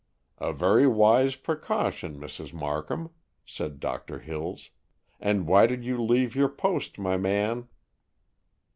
"A very wise precaution, Mrs. Markham," said Doctor Hills; "and why did you leave your post, my man?"